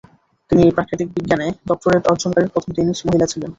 তিনি প্রাকৃতিক বিজ্ঞানে ডক্টরেট অর্জনকারী প্রথম ডেনিশ মহিলা ছিলেন।